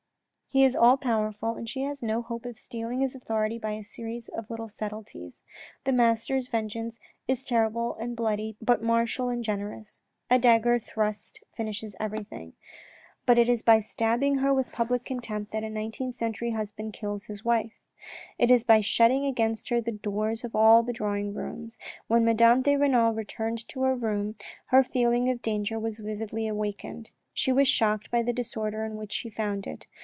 He is all powerful and she has no hope of stealing his authority by a series of little subtleties. The master's vengeance is terrible and bloody but martial and generous ; a dagger thrust finishes everything. But it is by t4o THE RED AND THE BLACK stabbing her with public contempt that a nineteenth century husband kills his wife. It is by shutting against her the doors of all the drawing rooms. When Madame de Renal returned to her room, her feeling of danger was vividly awakened. She was shocked by the disorder in which she found it.